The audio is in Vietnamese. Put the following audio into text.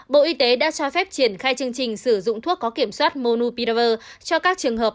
bộ y tế đã cho phép triển khai chương trình sử dụng thuốc có kiểm soát monu piraver cho các trường hợp